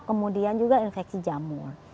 kemudian juga infeksi jamur